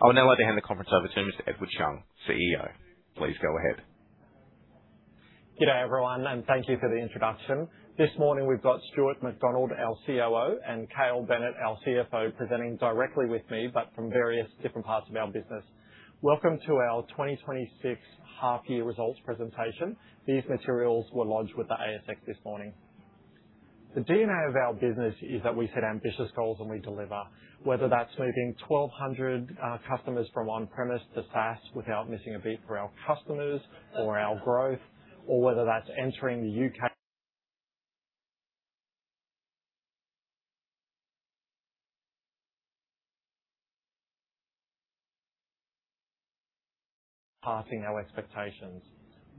I will now hand the conference over to Mr. Edward Chung, CEO. Please go ahead. Good day, everyone, and thank you for the introduction. This morning we've got Stuart MacDonald, our COO, and Cale Bennett, our CFO, presenting directly with me, but from various different parts of our business. Welcome to our 2026 half year results presentation. These materials were lodged with the ASX this morning. The DNA of our business is that we set ambitious goals and we deliver, whether that's moving 1,200 customers from on-premise to SaaS without missing a beat for our customers or our growth, or whether that's entering the U.K. Passing our expectations.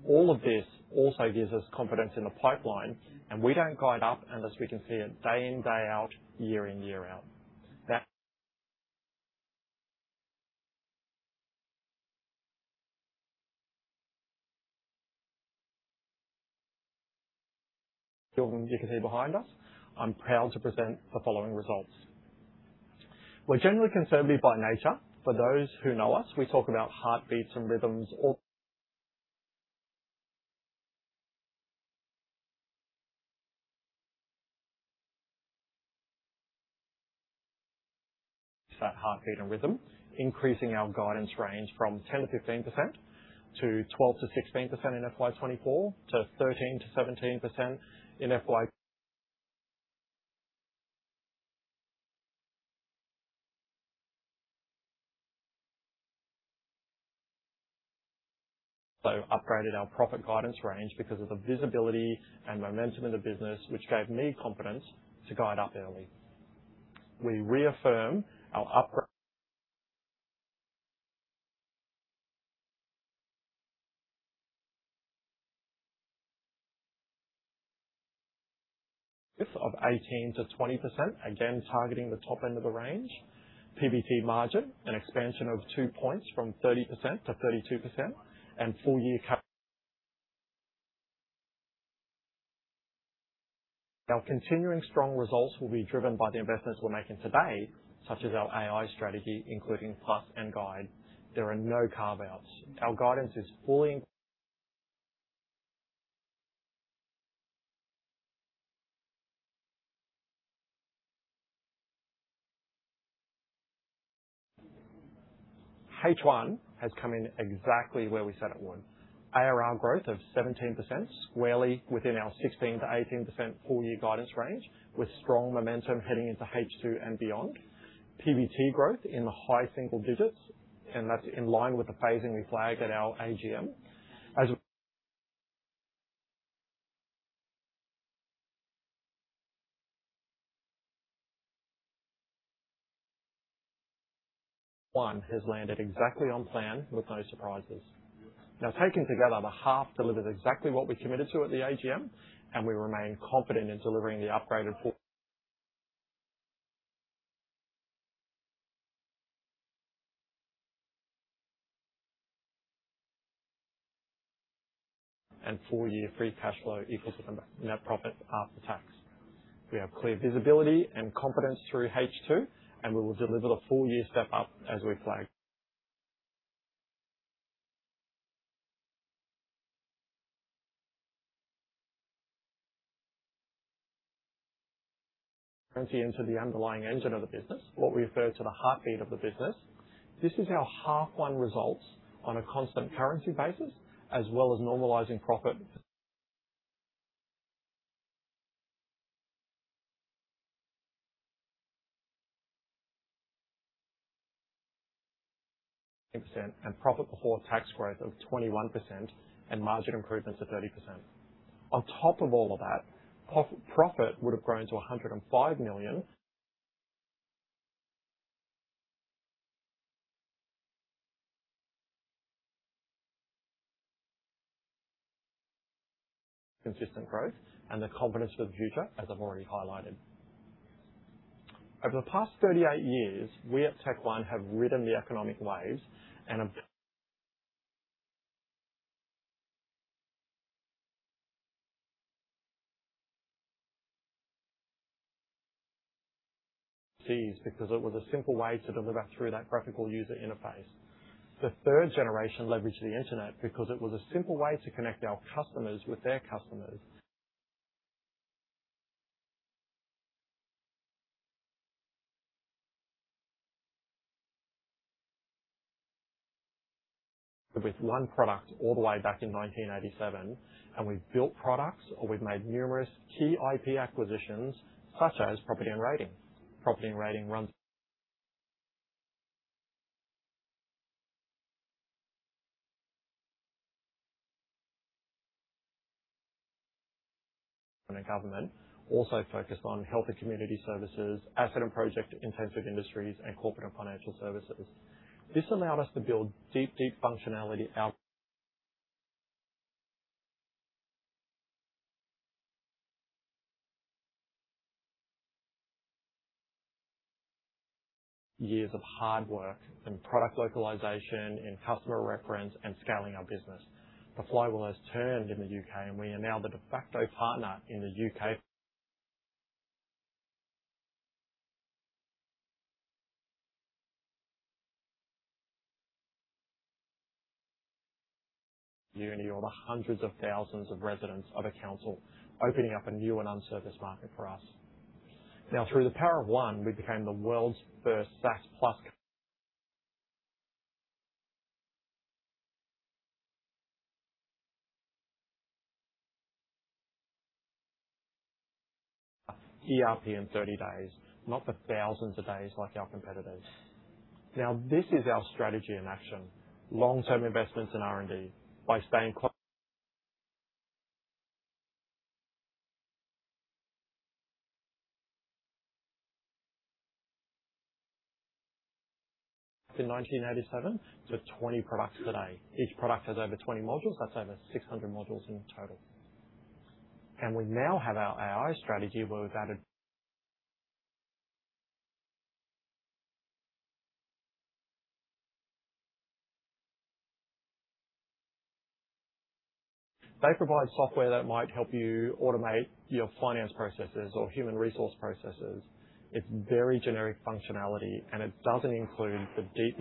All of this also gives us confidence in the pipeline, and we don't guide up unless we can see it day in, day out, year in, year out. That building you can see behind us. I'm proud to present the following results. We're generally conservative by nature. For those who know us, we talk about heartbeats and rhythms or that heartbeat and rhythm, increasing our guidance range from 10%-15% to 12%-16% in FY 2024 to 13%-17% in FY. We upgraded our profit guidance range because of the visibility and momentum of the business, which gave me confidence to guide up early. We reaffirm our ARR of 18%-20%, again, targeting the top end of the range. PBT margin, an expansion of two points from 30%-32% and full year half. Our continuing strong results will be driven by the investments we're making today, such as our AI strategy, including Plus and Guide. There are no carve-outs. Our guidance is fully in H1 has come in exactly where we said it would. ARR growth of 17% squarely within our 16%-18% full year guidance range, with strong momentum heading into H2 and beyond. PBT growth in the high single digits, that's in line with the phasing we flagged at our AGM. As TechnologyOne has landed exactly on plan with no surprises. Taken together, the half delivered exactly what we committed to at the AGM, and we remain confident in delivering the upgraded four and full year free cash flow equal to the net profit after tax. We have clear visibility and confidence through H2, and we will deliver the full year step up as we flagged. Currency into the underlying engine of the business, what we refer to the heartbeat of the business. This is our half one results on a constant currency basis, as well as normalizing profit. Percent and profit before tax growth of 21% and margin improvements of 30%. On top of all of that, profit would have grown to 105 million. Consistent growth and the confidence for the future, as I've already highlighted. Over the past 38 years, we at TechOne have ridden the economic waves and have seized because it was a simple way to deliver through that graphical user interface. The third generation leveraged the internet because it was a simple way to connect our customers with their customers. With one product all the way back in 1987, and we've built products or we've made numerous key IP acquisitions such as Property & Rating. Property & Rating run. Government also focused on health and community services, asset and project intensive industries, and corporate and financial services. This allowed us to build deep, deep functionality out. Years of hard work in product localization, in customer reference, and scaling our business. The flywheel has turned in the U.K., and we are now the de facto partner in the U.K. Uni or the hundreds of thousands of residents of a council opening up a new and unserviced market for us. Then through the power of one, we became the world's first SaaS+ ERP in 30 days, not the thousands of days like our competitors. Now, this is our strategy in action. Long-term investments in R&D. In 1987 to 20 products today. Each product has over 20 modules. That's over 600 modules in total. We now have our AI strategy. They provide software that might help you automate your finance processes or human resource processes. It's very generic functionality. It doesn't include the deep.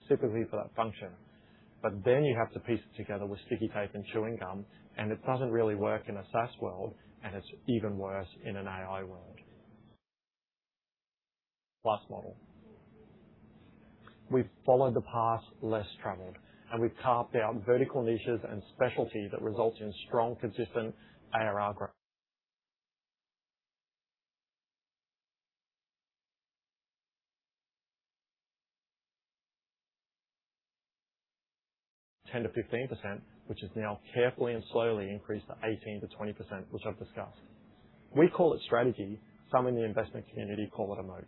Specifically for that function. Then you have to piece it together with sticky tape and chewing gum. It doesn't really work in a SaaS world. It's even worse in an AI world. Plus model. We've followed the path less traveled. We've carved out vertical niches and specialties that result in strong, consistent ARR, which has now carefully and slowly increased to 18%-20%, which I've discussed. We call it strategy. Some in the investment community call it a moat.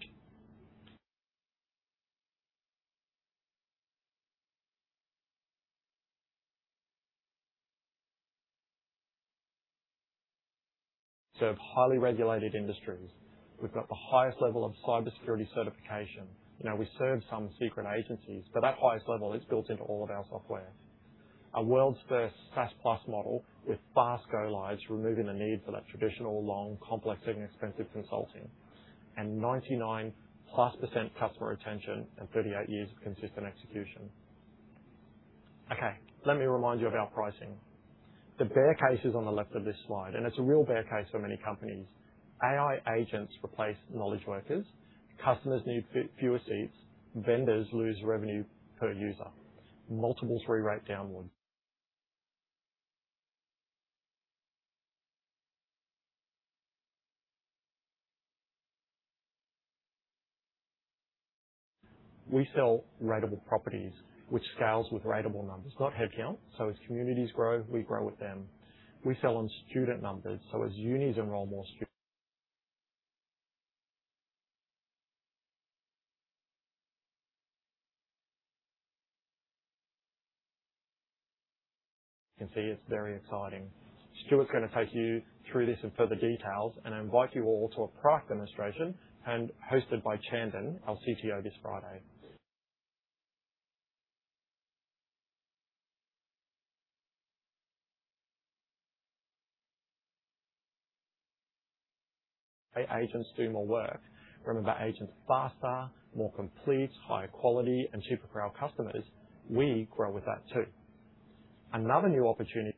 We serve highly regulated industries. We've got the highest level of cybersecurity certification. You know, we serve some secret agencies. That highest level is built into all of our software. A world's first SaaS+ model with fast go lives, removing the need for that traditional, long, complex and expensive consulting. 99%+ customer retention and 38 years of consistent execution. Okay, let me remind you of our pricing. The bear case is on the left of this slide, and it's a real bear case for many companies. AI agents replace knowledge workers. Customers need fewer seats. Vendors lose revenue per user. Multiple three rate downward. We sell ratable properties which scales with ratable numbers, not headcount. As communities grow, we grow with them. We sell on student numbers, as unis enroll more students. You can see it's very exciting. Stuart's gonna take you through this in further details, and I invite you all to a product demonstration and hosted by Chandan, our CTO, this Friday. AI agents do more work. Remember, agents are faster, more complete, higher quality and cheaper for our customers. We grow with that too. Another new opportunity.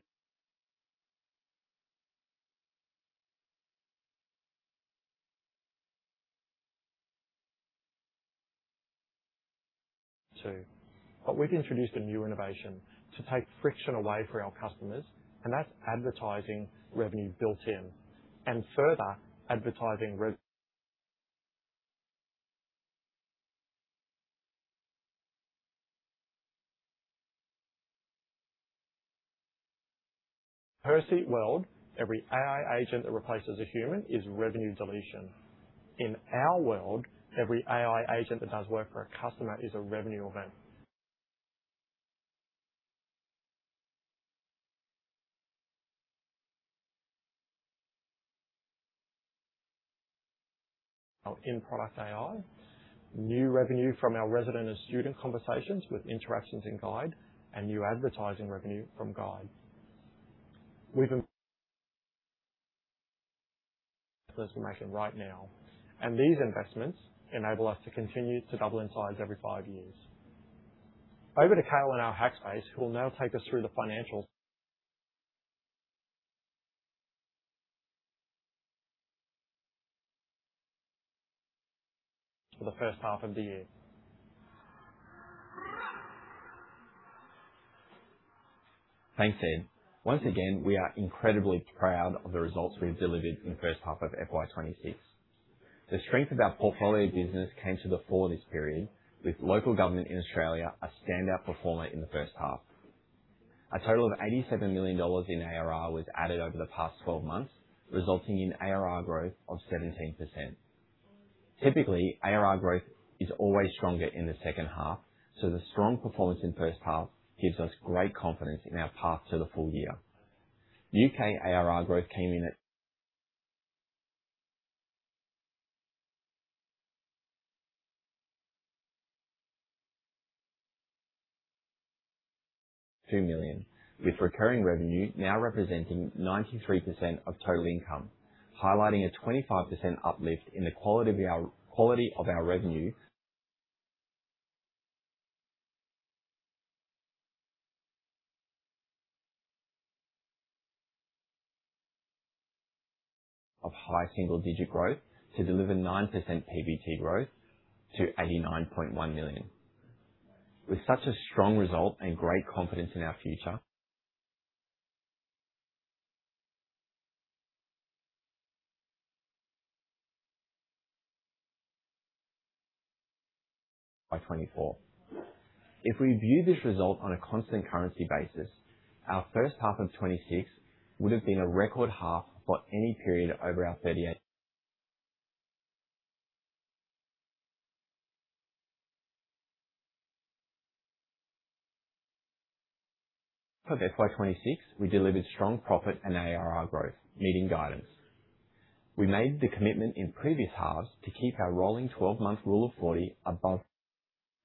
We've introduced a new innovation to take friction away for our customers, and that's advertising revenue built-in and further advertising. Per seat world, every AI agent that replaces a human is revenue deletion. In our world, every AI agent that does work for a customer is a revenue event. Our in-product AI, new revenue from our resident and student conversations with interactions in Guide and new advertising revenue from Guide. We've this information right now. These investments enable us to continue to double in size every five years. Over to Cale in our hack space who will now take us through the financials. For the first half of the year. Thanks, Ed. Once again, we are incredibly proud of the results we've delivered in the first half of FY 2026. The strength of our portfolio business came to the fore this period with local government in Australia a standout performer in the first half. A total of 87 million dollars in ARR was added over the past 12 months, resulting in ARR growth of 17%. Typically, ARR growth is always stronger in the second half, the strong performance in first half gives us great confidence in our path to the full year. U.K. ARR growth came in at 2 million, with recurring revenue now representing 93% of total income, highlighting a 25% uplift in the quality of our revenue. Of high single-digit growth to deliver 9% PBT growth to 89.1 million. With such a strong result and great confidence in our future. By 2024. If we view this result on a constant currency basis, our first half of 2026 would have been a record half for any period over our 38. For FY 2026, we delivered strong profit and ARR growth, meeting guidance. We made the commitment in previous halves to keep our rolling 12-month Rule of 40%, above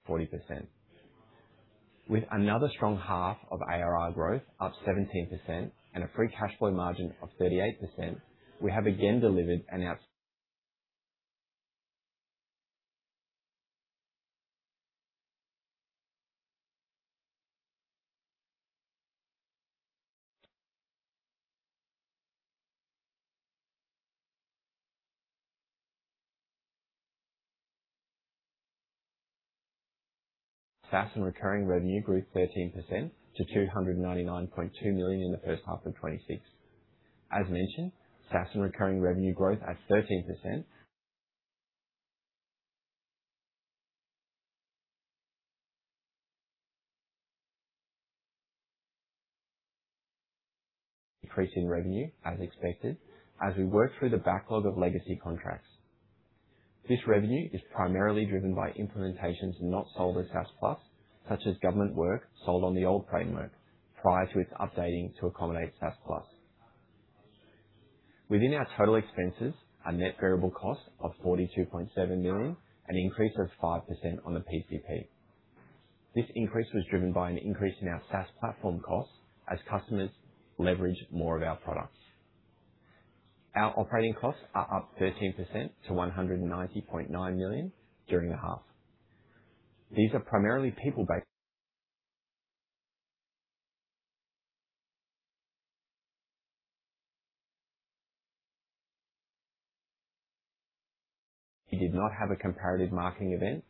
40%. With another strong half of ARR growth up 17% and a free cash flow margin of 38%, we have again delivered an. SaaS and recurring revenue grew 13% to 299.2 million in the first half of 2026. As mentioned, SaaS and recurring revenue growth at 13%. Decrease in revenue as expected as we work through the backlog of legacy contracts. This revenue is primarily driven by implementations not sold as SaaS+, such as government work sold on the old framework prior to its updating to accommodate SaaS+. Within our total expenses, our net variable cost of 42.7 million, an increase of 5% on the PCP. This increase was driven by an increase in our SaaS platform costs as customers leverage more of our products. Our operating costs are up 13% to 190.9 million during the half. These are primarily people-based. We did not have a comparative marketing event,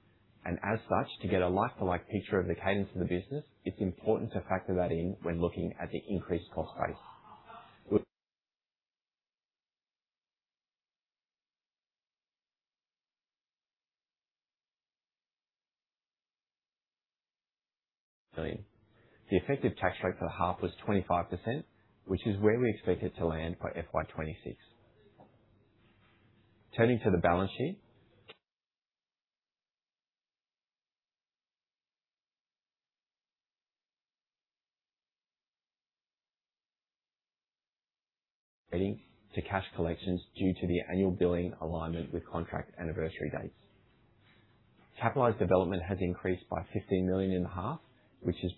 and as such, to get a like-for-like picture of the cadence of the business, it's important to factor that in when looking at the increased cost base. The effective tax rate for the half was 25%, which is where we expect it to land for FY 2026. Turning to the balance sheet. Crediting to cash collections due to the annual billing alignment with contract anniversary dates. Capitalized development has increased by 15 million in the half, which is.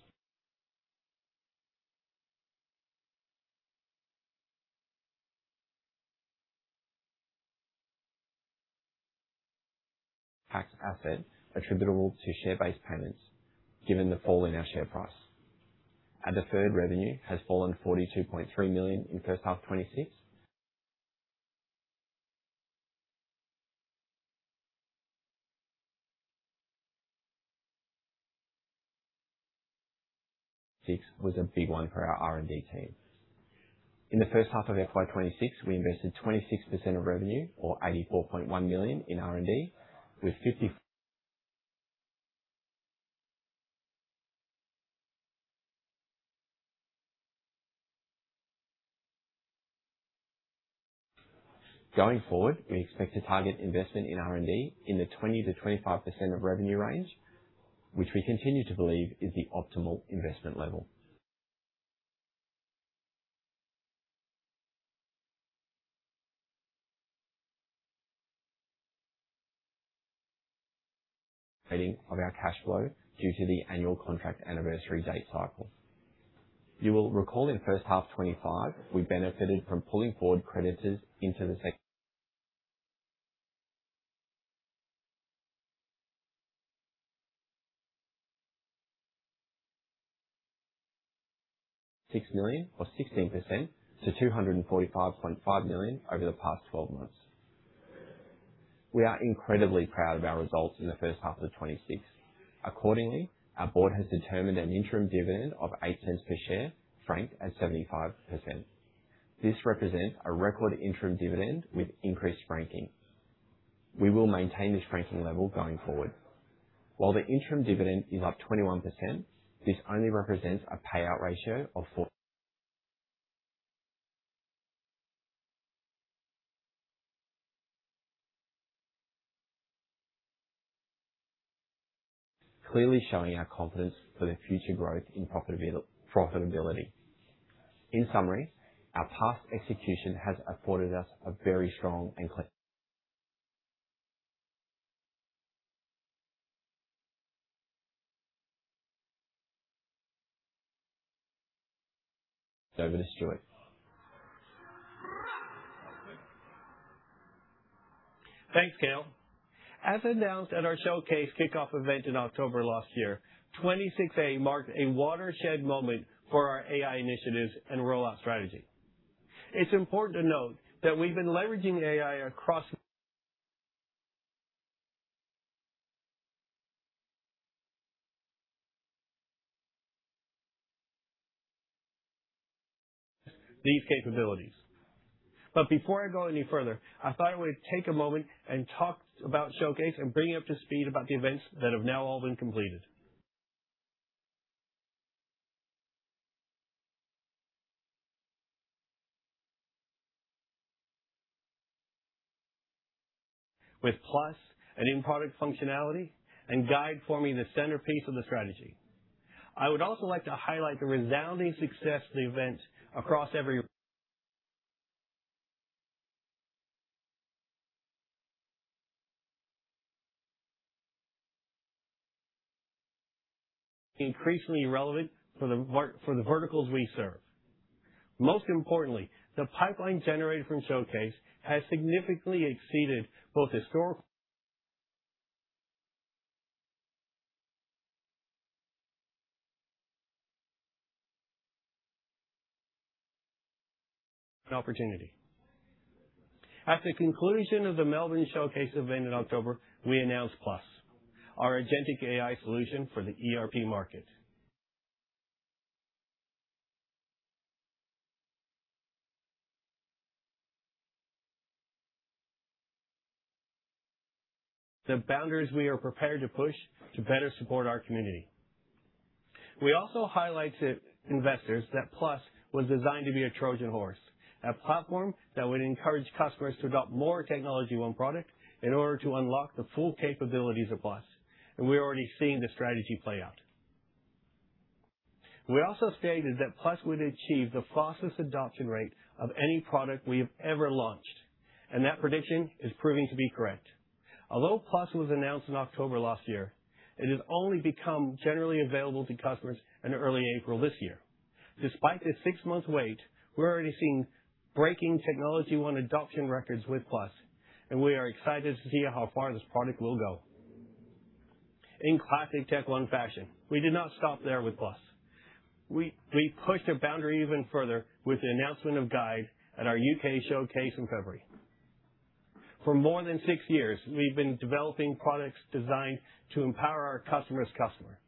Tax asset attributable to share-based payments given the fall in our share price. Our deferred revenue has fallen 42.3 million in first half 2026. Six was a big one for our R&D team. In the first half of FY 2026, we invested 26% of revenue or 84.1 million in R&D. Going forward, we expect to target investment in R&D in the 20%-25% of revenue range, which we continue to believe is the optimal investment level. Crediting of our cash flow due to the annual contract anniversary date cycle. You will recall in first half 2025, we benefited from pulling forward creditors in to the second. 6 million or 16% to 245.5 million over the past 12 months. We are incredibly proud of our results in the first half of 2026. Accordingly, our board has determined an interim dividend of 0.08 per share, franked at 75%. This represents a record interim dividend with increased franking. We will maintain this franking level going forward. While the interim dividend is up 21%, this only represents a payout ratio of four. Clearly showing our confidence for the future growth in profitability. In summary, our past execution has afforded us a very strong and cle. Demonstrate. Thanks, Cale. As announced at our Showcase kickoff event in October last year, 2026A marked a watershed moment for our AI initiatives and rollout strategy. It's important to note that we've been leveraging AI across these capabilities. Before I go any further, I thought I would take a moment and talk about Showcase and bring you up to speed about the events that have now all been completed. With Plus and in-product functionality and Guide forming the centerpiece of the strategy. I would also like to highlight the resounding success of the event across every increasingly relevant for the verticals we serve. Most importantly, the pipeline generated from Showcase has significantly exceeded both historical and opportunity. At the conclusion of the Melbourne Showcase event in October, we announced Plus, our agentic AI solution for the ERP market. The boundaries we are prepared to push to better support our community. We also highlighted to investors that Plus was designed to be a Trojan horse, a platform that would encourage customers to adopt more TechnologyOne product in order to unlock the full capabilities of Plus. We're already seeing the strategy play out. We also stated that Plus would achieve the fastest adoption rate of any product we have ever launched. That prediction is proving to be correct. Although Plus was announced in October last year, it has only become generally available to customers in early April this year. Despite this six-month wait, we're already seeing breaking TechnologyOne adoption records with Plus. We are excited to see how far this product will go. In classic TechOne fashion, we did not stop there with Plus. We pushed the boundary even further with the announcement of Guide at our U.K. Showcase in February. For more than six years, we've been developing products designed to empower our customer's customer,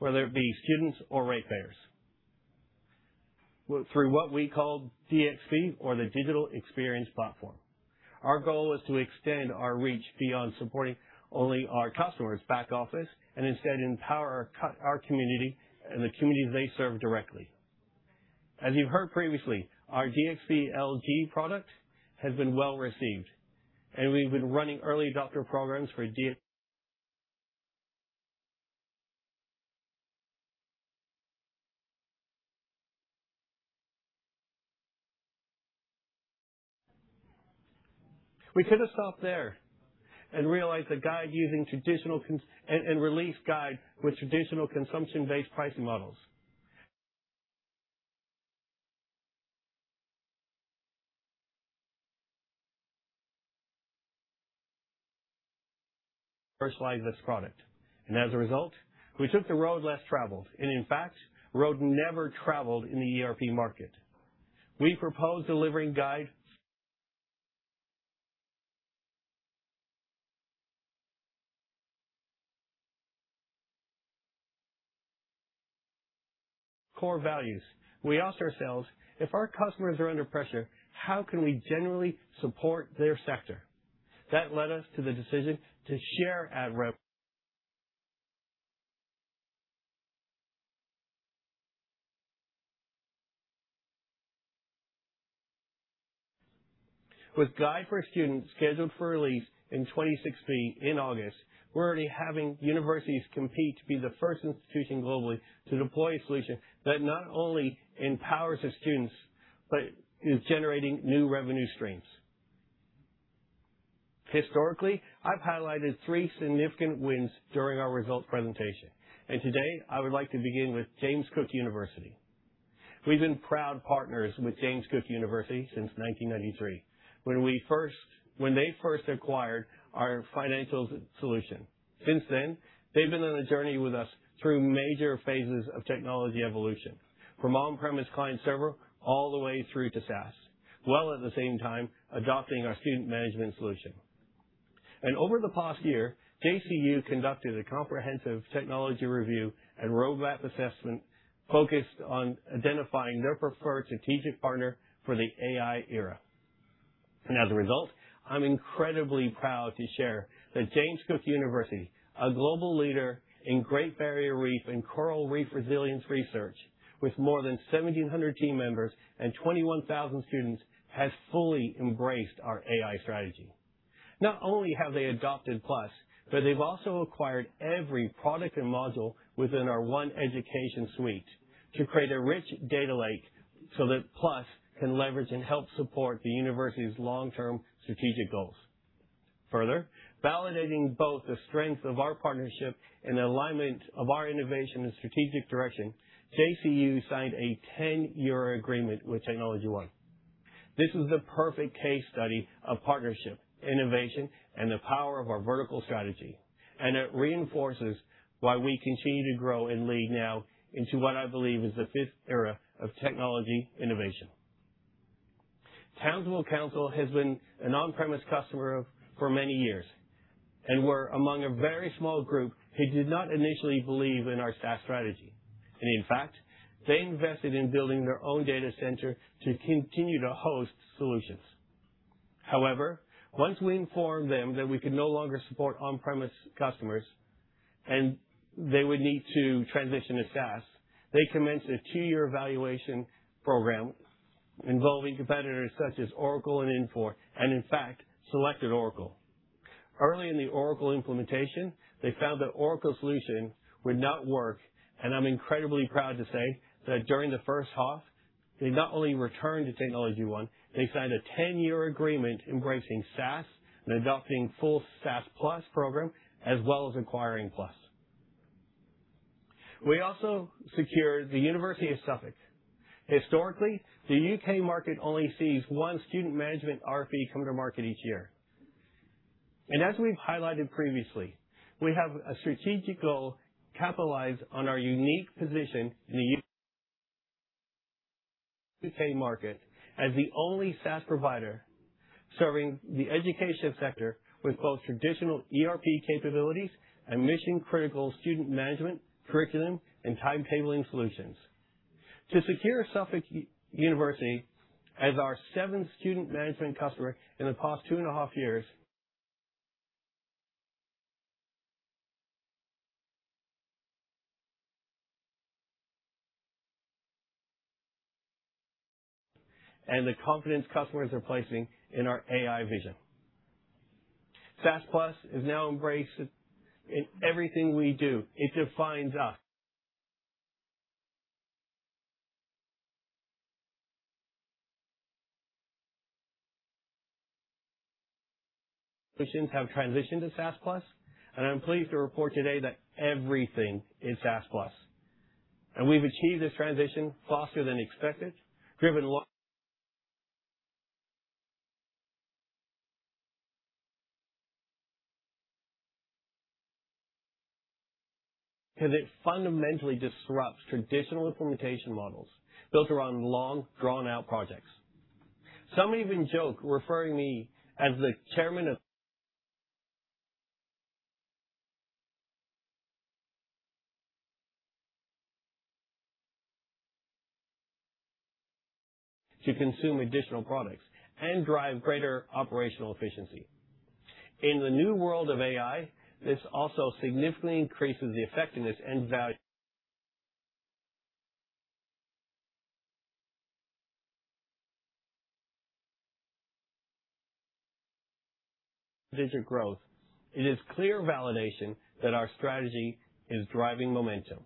whether it be students or ratepayers, through what we call DXP or the Digital Experience Platform. Our goal is to extend our reach beyond supporting only our customers' back office and instead empower our community and the communities they serve directly. As you've heard previously, our DXP LG product has been well-received, and we've been running early adopter programs. We could have stopped there and realized that Guide using traditional, and release Guide with traditional consumption-based pricing models. Personalize this product. As a result, we took the road less traveled, and in fact, road never traveled in the ERP market. We proposed delivering Guide core values. We asked ourselves, "If our customers are under pressure, how can we genuinely support their sector?" That led us to the decision to share our. With Guide for students scheduled for release in 2026B in August, we're already having universities compete to be the first institution globally to deploy a solution that not only empowers the students but is generating new revenue streams. Historically, I've highlighted three significant wins during our results presentation. Today, I would like to begin with James Cook University. We've been proud partners with James Cook University since 1993 when they first acquired our Financials solution. Since then, they've been on a journey with us through major phases of technology evolution, from on-premise client server all the way through to SaaS, while at the same time adopting our Student Management solution. Over the past year, JCU conducted a comprehensive technology review and roadmap assessment focused on identifying their preferred strategic partner for the AI era. As a result, I am incredibly proud to share that James Cook University, a global leader in Great Barrier Reef and coral reef resilience research with more than 1,700 team members and 21,000 students, has fully embraced our AI strategy. Not only have they adopted Plus, but they have also acquired every product and module within our OneEducation suite to create a rich data lake so that Plus can leverage and help support the university's long-term strategic goals. Further, validating both the strength of our partnership and alignment of our innovation and strategic direction, JCU signed a 10-year agreement with TechnologyOne. This is the perfect case study of partnership, innovation, and the power of our vertical strategy, and it reinforces why we continue to grow and lead now into what I believe is the fifth era of technology innovation. Townsville City Council has been an on-premise customer for many years and were among a very small group who did not initially believe in our SaaS strategy. In fact, they invested in building their own data center to continue to host solutions. However, once we informed them that we could no longer support on-premise customers and they would need to transition to SaaS, they commenced a two-year evaluation program involving competitors such as Oracle and Infor, and in fact, selected Oracle. Early in the Oracle implementation, they found that Oracle solution would not work, and I'm incredibly proud to say that during the first half, they not only returned to TechnologyOne, they signed a 10-year agreement embracing SaaS and adopting full SaaS+ program as well as acquiring Plus. We also secured the University of Suffolk. Historically, the U.K. market only sees one Student Management RFP come to market each year. As we've highlighted previously, we have a strategic goal capitalize on our unique position in the U.K. market as the only SaaS provider serving the education sector with both traditional ERP capabilities and mission-critical Student Management, Curriculum, and Timetabling Solutions. To secure Suffolk University as our seventh Student Management customer in the past 2.5 years and the confidence customers are placing in our AI vision. SaaS+ is now embraced in everything we do. It defines us. Solutions have transitioned to SaaS+, I'm pleased to report today that everything is SaaS+. We've achieved this transition faster than expected, driven one. Because it fundamentally disrupts traditional implementation models built around long, drawn-out projects. Some even joke, referring me as the chairman of. To consume additional products and drive greater operational efficiency. In the new world of AI, this also significantly increases the effectiveness and value digital growth. It is clear validation that our strategy is driving momentum.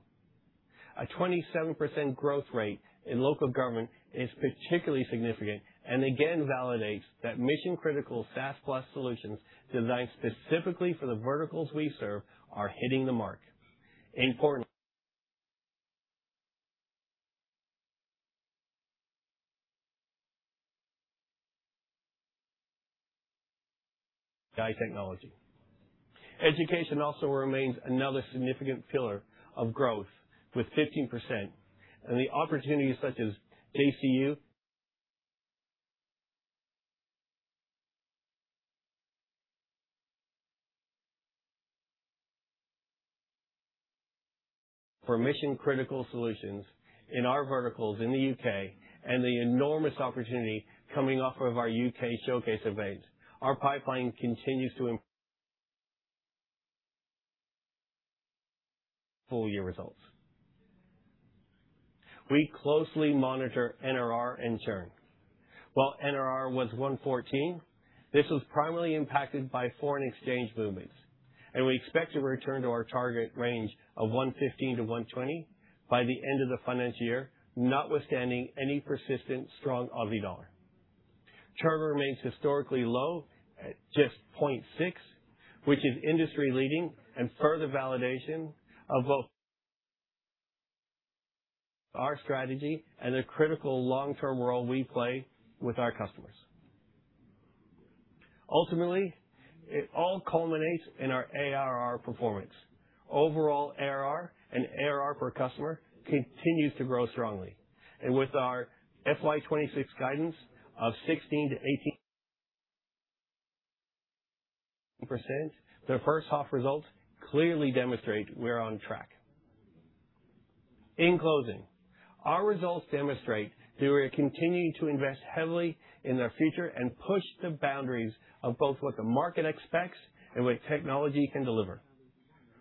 A 27% growth rate in Local Government is particularly significant and again validates that mission-critical SaaS+ solutions designed specifically for the verticals we serve are hitting the mark. Infor AI technology. Education also remains another significant pillar of growth with 15%, the opportunities such as JCU for mission-critical solutions in our verticals in the U.K. and the enormous opportunity coming off of our U.K. Showcase events. Our pipeline continues to improve. Full-year results. We closely monitor NRR and churn. While NRR was 114, this was primarily impacted by foreign exchange movements, and we expect to return to our target range of 115-120 by the end of the finance year, notwithstanding any persistent strong Aussie dollar. Churn remains historically low at just 0.6%, which is industry-leading and further validation of both our strategy and the critical long-term role we play with our customers. Ultimately, it all culminates in our ARR performance. Overall ARR and ARR per customer continues to grow strongly. With our FY 2026 guidance of 16%-18%, the first half results clearly demonstrate we're on track. In closing, our results demonstrate that we are continuing to invest heavily in our future and push the boundaries of both what the market expects and what technology can deliver.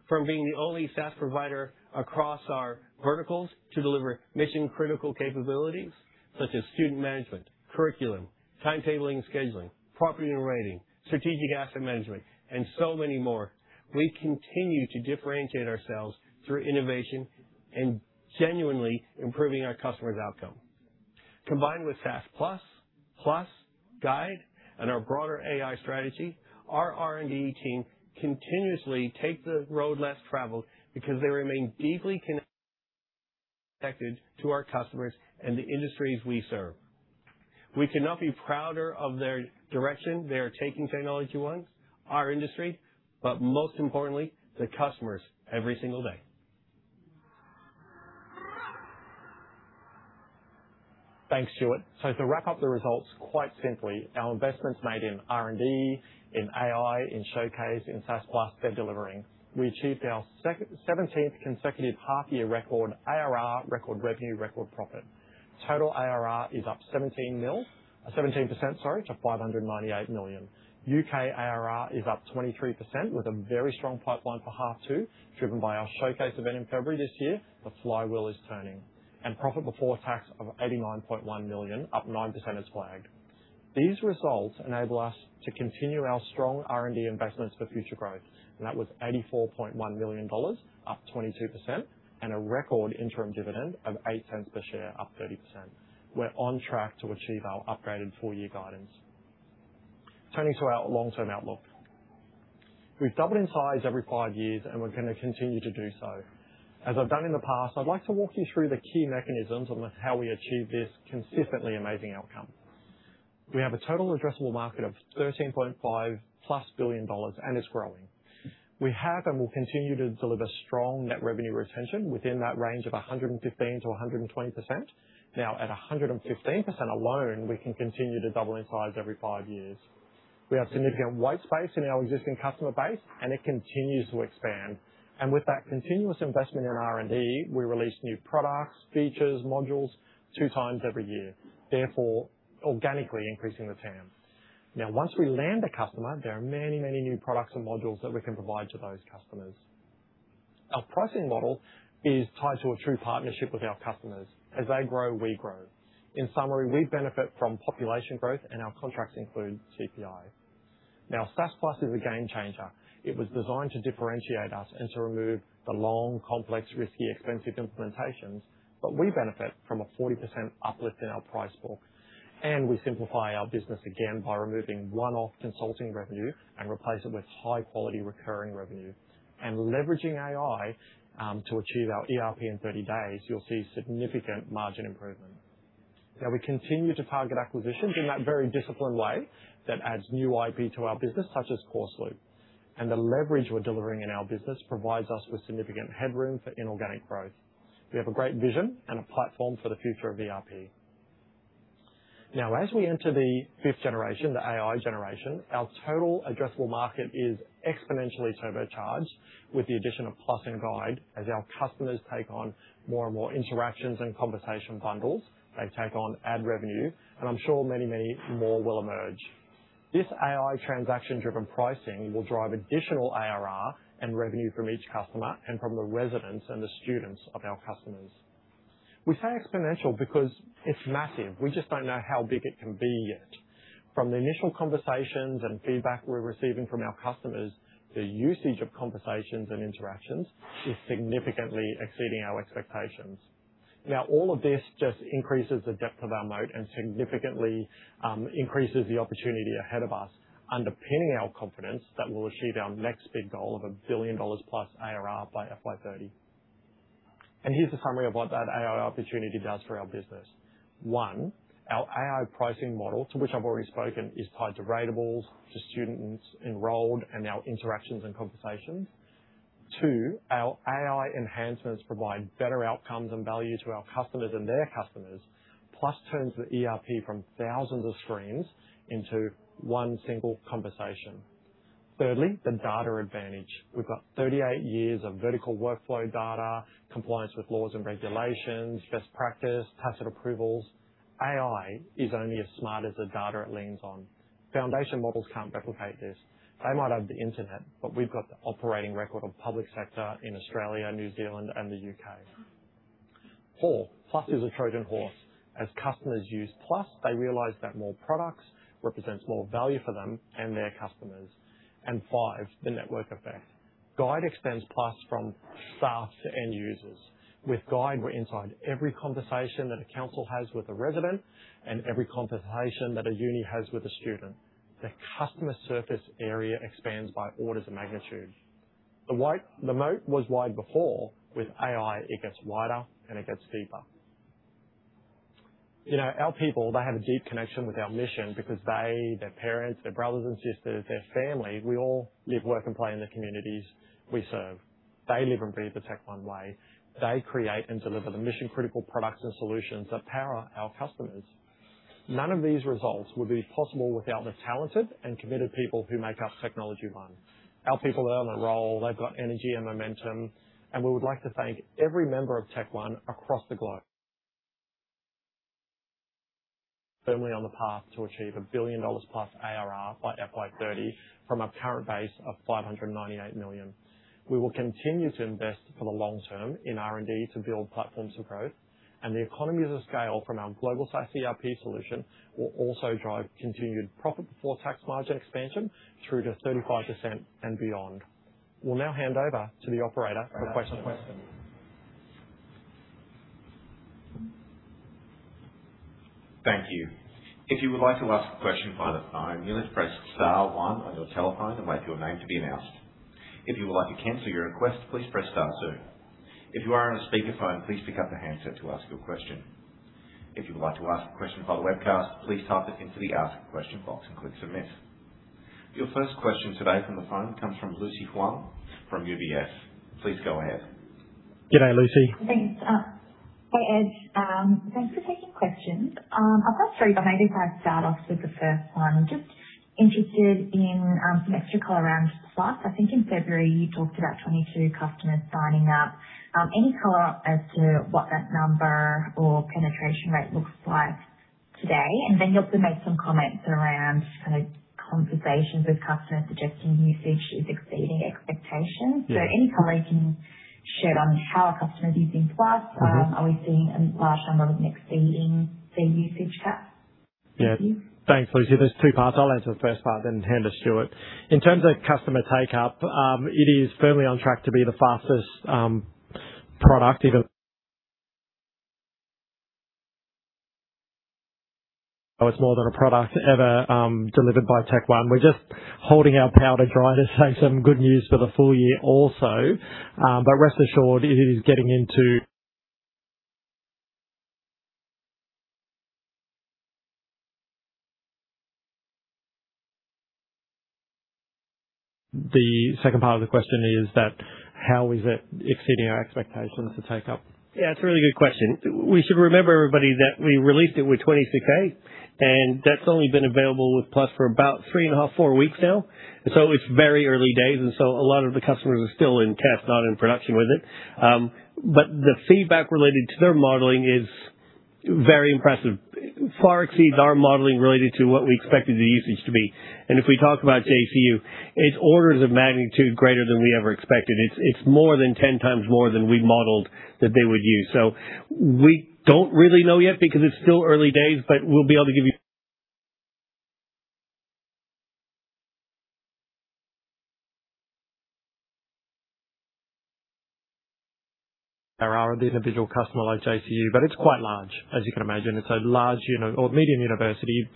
From being the only SaaS provider across our verticals to deliver mission-critical capabilities such as Student Management, Curriculum, Timetabling & Scheduling, Property & Rating, Strategic Asset Management, and so many more. We continue to differentiate ourselves through innovation and genuinely improving our customer's outcome. Combined with SaaS+, Plus, Guide, and our broader AI strategy, our R&D team continuously take the road less traveled because they remain deeply connected to our customers and the industries we serve. We could not be prouder of their direction they are taking TechnologyOne, our industry, but most importantly, the customers every single day. Thanks, Stuart. To wrap up the results, quite simply, our investments made in R&D, in AI, in Showcase, in SaaS+, they're delivering. We achieved our 17th consecutive half year record ARR, record revenue, record profit. Total ARR is up 17%, sorry, to 598 million. U.K. ARR is up 23% with a very strong pipeline for half two, driven by our Showcase event in February this year. The flywheel is turning. Profit before tax of 89.1 million, up 9% as flagged. These results enable us to continue our strong R&D investments for future growth, and that was 84.1 million dollars, up 22%, and a record interim dividend of 0.08 per share, up 30%. We're on track to achieve our upgraded full-year guidance. Turning to our long-term outlook. We've doubled in size every five years, and we're gonna continue to do so. As I've done in the past, I'd like to walk you through the key mechanisms on the how we achieve this consistently amazing outcome. We have a total addressable market of 13.5+ billion dollars, and it's growing. We have and will continue to deliver strong net revenue retention within that range of 115%-120%. Now, at 115% alone, we can continue to double in size every five years. We have significant white space in our existing customer base, and it continues to expand. With that continuous investment in R&D, we release new products, features, modules two times every year, therefore organically increasing the TAM. Once we land a customer, there are many, many new products and modules that we can provide to those customers. Our pricing model is tied to a true partnership with our customers. As they grow, we grow. In summary, we benefit from population growth, and our contracts include CPI. Now, SaaS+ is a game changer. It was designed to differentiate us and to remove the long, complex, risky, expensive implementations. We benefit from a 40% uplift in our price book. We simplify our business again by removing one-off consulting revenue and replace it with high-quality recurring revenue. Leveraging AI to achieve our ERP in 30 days, you'll see significant margin improvement. We continue to target acquisitions in that very disciplined way that adds new IP to our business, such as CourseLoop. The leverage we're delivering in our business provides us with significant headroom for inorganic growth. We have a great vision and a platform for the future of ERP. Now, as we enter the fifth generation, the AI generation, our total addressable market is exponentially turbocharged with the addition of Plus and Guide. As our customers take on more and more interactions and conversation bundles, they take on ad revenue, and I'm sure many, many more will emerge. This AI transaction-driven pricing will drive additional ARR and revenue from each customer and from the residents and the students of our customers. We say exponential because it's massive. We just don't know how big it can be yet. From the initial conversations and feedback we're receiving from our customers, the usage of conversations and interactions is significantly exceeding our expectations. Now, all of this just increases the depth of our moat and significantly increases the opportunity ahead of us, underpinning our confidence that we'll achieve our next big goal of +1 billion dollars ARR by FY 2030. Here's a summary of what that AI opportunity does for our business. One, our AI pricing model, to which I've already spoken, is tied to ratables, to students enrolled, and our interactions and conversations. Two, our AI enhancements provide better outcomes and value to our customers and their customers. Plus turns the ERP from thousands of screens into one single conversation. Thirdly, the data advantage. We've got 38 years of vertical workflow data, compliance with laws and regulations, best practice, tacit approvals. AI is only as smart as the data it leans on. Foundation models can't replicate this. They might have the internet, but we've got the operating record of public sector in Australia, New Zealand, and the U.K. Four, Plus is a Trojan horse. As customers use Plus, they realize that more products represents more value for them and their customers. Five, the network effect. Guide extends Plus from staff to end users. With Guide, we're inside every conversation that a council has with a resident and every conversation that a uni has with a student. The customer surface area expands by orders of magnitude. The moat was wide before. With AI, it gets wider, and it gets deeper. You know, our people, they have a deep connection with our mission because they, their parents, their brothers and sisters, their family, we all live, work, and play in the communities we serve. They live and breathe the TechOne way. They create and deliver the mission-critical products and solutions that power our customers. None of these results would be possible without the talented and committed people who make up TechnologyOne. Our people are on a roll. They've got energy and momentum, we would like to thank every member of TechOne across the globe. Firmly on the path to achieve +1 billion dollars ARR by FY 2030 from a current base of 598 million. We will continue to invest for the long term in R&D to build platforms of growth. The economies of scale from our global size ERP solution will also drive continued profit before tax margin expansion through to 35% and beyond. We'll now hand over to the operator for questions. Thank you. If you would like to ask a question by the phone, you just press star one on your telephone and wait for your name to be announced. If you would like to cancel your request, please press answer. If you are on a speakerphone, please pick up the handset to ask your question. If you would like to ask a question on the webcast, please type it into the ask question box and click submit. Your first question today from the phone comes from Lucy Huang from UBS. Please go ahead. G'day, Lucy. Thanks. Hi, Ed. Thanks for taking questions. I've got three, but maybe if I start off with the first one. Just interested in the extra color around Plus. I think in February you talked about 22 customers signing up. Any color as to what that number or penetration rate looks like today? You also made some comments around kind of conversations with customers suggesting usage is exceeding expectations. Yeah. Any color you can share on how are customers using Plus? Uh-huh. Are we seeing a large number of them exceeding their usage cap? Yeah. Thank you. Thanks, Lucy. There's two parts. I'll answer the first part then hand to Stuart. In terms of customer take-up, it is firmly on track to be the fastest product even. It's more than a product ever delivered by TechOne. We're just holding our powder dry to save some good news for the full year also. Rest assured, this is getting into. The second part of the question is that how is it exceeding our expectations to take up? Yeah, it's a really good question. We should remember everybody that we released it with 22K, and that's only been available with Plus for about 3.5, four weeks now. It's very early days, a lot of the customers are still in test, not in production with it. The feedback related to their modeling is very impressive. Far exceeds our modeling related to what we expected the usage to be. If we talk about JCU, it's orders of magnitude greater than we ever expected. It's more than 10 times more than we modeled that they would use. We don't really know yet because it's still early days, but we'll be able to give you ARR of the individual customer like JCU, but it's quite large, as you can imagine. It's a large uni or medium university,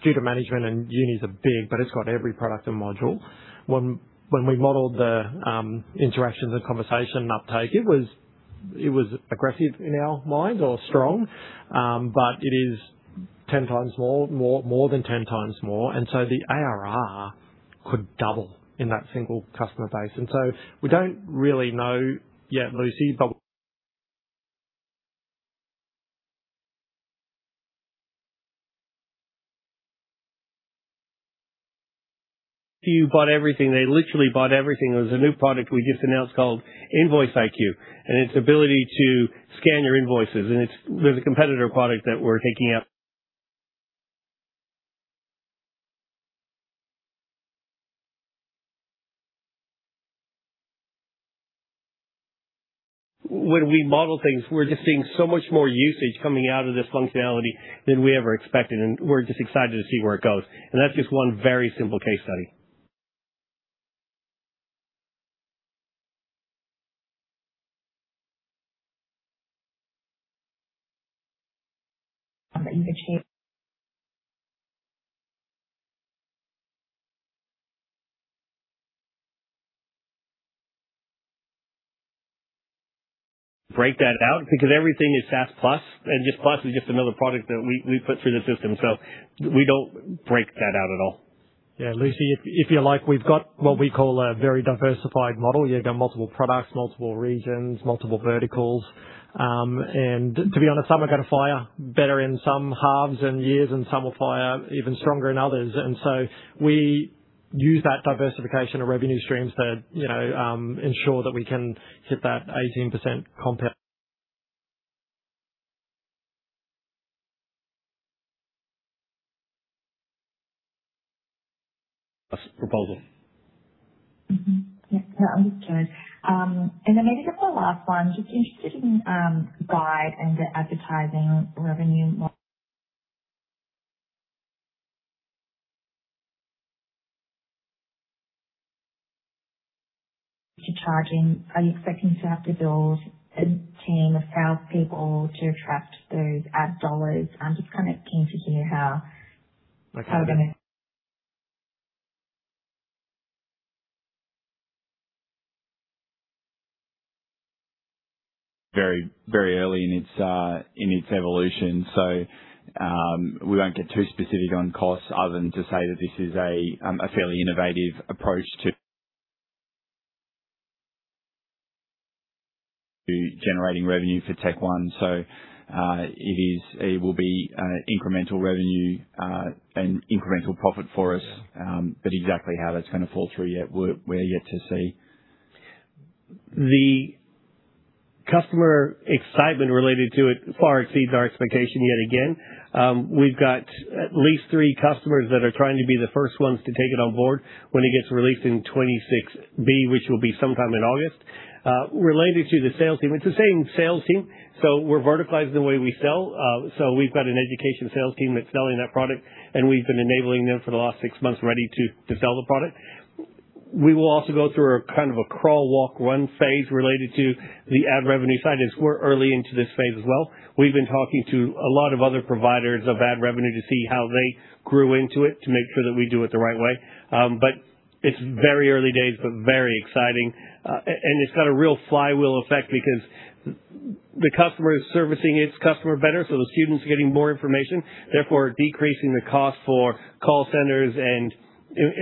Student Management and unis are big, it's got every product and module. When we modeled the interactions and conversation uptake, it was aggressive in our minds or strong. It is 10 times more than 10 times more. The ARR could double in that single customer base. We don't really know yet, Lucy. JCU bought everything. They literally bought everything. There's a new product we just announced called Invoice IQ, it's ability to scan your invoices. It's the competitor product that we're taking out. When we model things, we're just seeing so much more usage coming out of this functionality than we ever expected, we're just excited to see where it goes. That's just one very simple case study. Break that out because everything is SaaS+, and just Plus is just another product that we put through the system. We don't break that out at all. Yeah. Lucy, if you like, we've got what we call a very diversified model. You've got multiple products, multiple regions, multiple verticals. To be honest, some are gonna fire better in some halves and years, and some will fire even stronger in others. We use that diversification of revenue streams to, you know, ensure that we can hit that 18% compa. Proposal. That was good. Maybe just the last one, just interested in Guide and your advertising revenue you're charging. Are you expecting to have to build a team of sales people to attract those ad AUD? Very early in its evolution. We won't get too specific on costs other than to say that this is a fairly innovative approach to generating revenue for TechOne. It will be incremental revenue and incremental profit for us. Exactly how that's gonna fall through yet, we're yet to see. The customer excitement related to it far exceeds our expectation yet again. We've got at least three customers that are trying to be the first ones to take it on board when it gets released in 2026B, which will be sometime in August. Related to the sales team, it's the same sales team, we're verticalizing the way we sell. We've got an education sales team that's selling that product, and we've been enabling them for the last six months ready to sell the product. We will also go through a kind of a crawl, walk, run phase related to the ad revenue side, as we're early into this phase as well. We've been talking to a lot of other providers of ad revenue to see how they grew into it, to make sure that we do it the right way. It's very early days, but very exciting. It's got a real flywheel effect because the customer is servicing its customer better, so the student's getting more information, therefore decreasing the cost for call centers and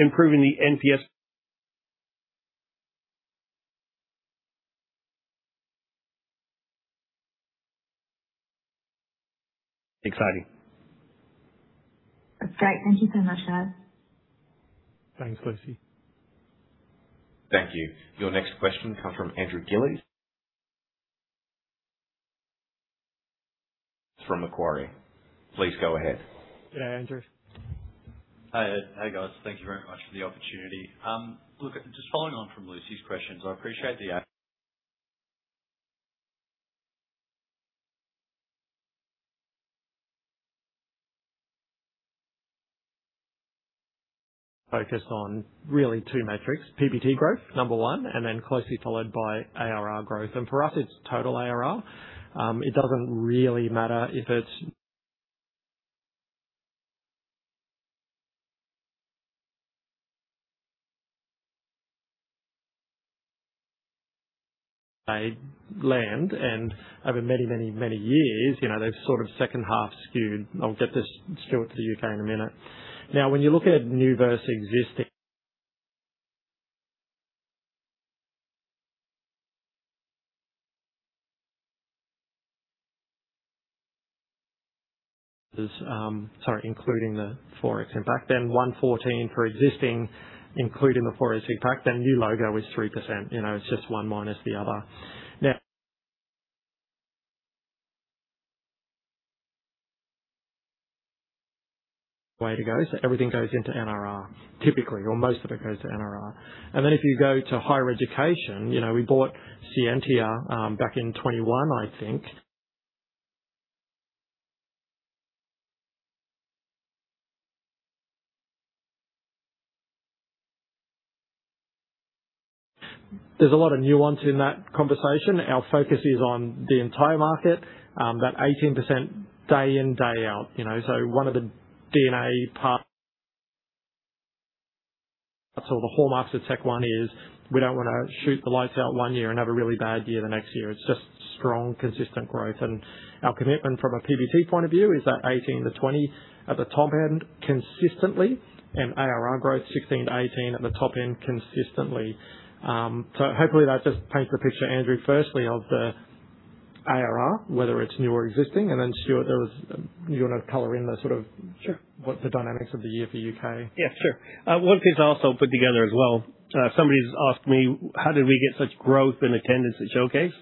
improving the NPS. Exciting. That's great. Thank you so much, Ed. Thanks, Lucy. Thank you. Your next question comes from Andrew Gillies from Macquarie. Please go ahead. Yeah, Andrew. Hi, Ed. Hey, guys. Thank you very much for the opportunity. Look, just following on from Lucy's questions. Focus on really two metrics, PBT growth, number one, and then closely followed by ARR growth. For us, it's total ARR. It doesn't really matter if it's. Land and over many, many, many years, you know, they've sort of second half skewed. I'll get Stuart to the U.K. in a minute. Now, when you look at new versus existing. Sorry, including the Forex impact, then 114 for existing, including the Forex impact, then new logo is 3%, you know. It's just one minus the other. Way to go. Everything goes into NRR, typically, or most of it goes to NRR. If you go to higher education, you know, we bought Scientia back in 2021, I think. There's a lot of nuance in that conversation. Our focus is on the entire market, that 18% day in, day out, you know. One of the DNA. Hallmarks of TechOne is we don't wanna shoot the lights out one year and have a really bad year the next year. It's just strong, consistent growth. Our commitment from a PBT point of view is that 18%-20% at the top end consistently and ARR growth 16%-18% at the top end consistently. Hopefully that just paints the picture, Andrew, firstly of the ARR, whether it's new or existing, and then Stuart there was, you wanna color in the sort of. Sure. What the dynamics of the year for U.K.? Sure. One piece I also put together as well. Somebody's asked me, how did we get such growth and attendance at Showcase?